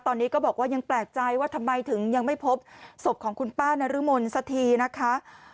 ตอนนี้ก็บอกว่ายังแปลกใจว่าทำไมถึงยังไม่พบศพของคุณป้านรมนสักทีนะคะ